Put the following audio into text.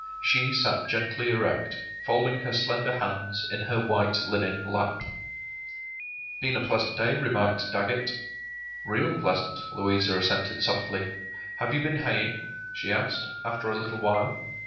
She sat gently erect, folding her slender hands in her white linen lap. “Been a pleasant day,” remarked Dagget. “Real pleasant,” Louisa assented, softly. “Have you been haying?” she asked, after a little while.